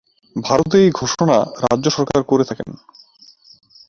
ভারতে এই ঘোষণা রাজ্য সরকার করে থাকেন।